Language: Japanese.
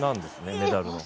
メダルの数。